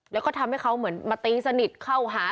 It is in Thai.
แล้วก็ทำให้เขาเหมือนมาตีสนิทเข้าหา